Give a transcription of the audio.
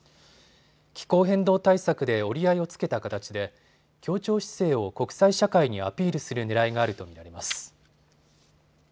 気候変動対策で折り合いをつけた形で協調姿勢を国際社会にアピールするねらいがあると見られます。